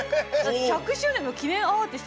１００周年の記念アーティスト。